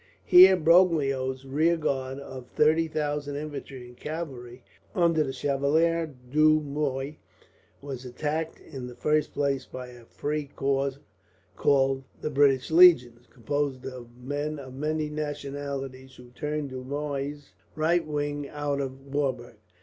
Here Broglio's rear guard of thirty thousand infantry and cavalry, under the Chevalier du Muy, were attacked; in the first place by a free corps called the British Legion, composed of men of many nationalities, who turned Du Muy's right wing out of Warburg.